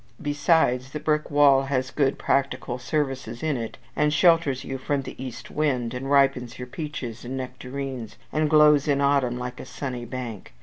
Besides, the brick wall has good practical service in it, and shelters you from the east wind, and ripens your peaches and nectarines, and glows in autumn like a sunny bank.